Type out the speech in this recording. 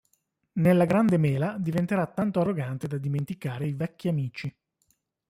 Nella Grande Mela diventerà tanto arrogante da dimenticare i vecchi amici.